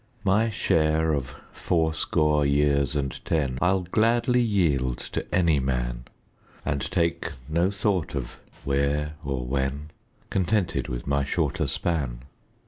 My share of fourscore years and ten I'll gladly yield to any man, And take no thought of " where " or " when," Contented with my shorter span.